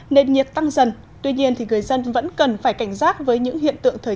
nền nhiệt tăng dần tuy nhiên người dân vẫn cần phải cảnh giác với những hiện tượng thời